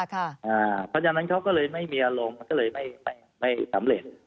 เพราะฉะนั้นเขาก็เลยไม่มีอารมณ์มันก็เลยไม่สำเร็จ